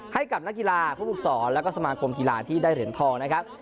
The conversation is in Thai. ให้กับนักกีฬาผู้ฝึกศรแล้วก็สมาคมกีฬาที่ได้เหรียญทองนะครับ